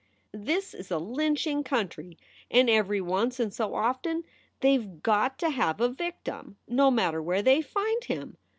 "This is a lynching country and every once in so often they ve got to have a victim, no matter where they find him.